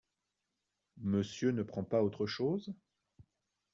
Monsieur ne prend pas autre chose ?